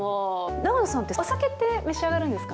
永野さんってお酒って召し上がるんですか？